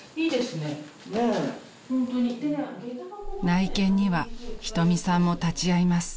［内見には瞳さんも立ち会います］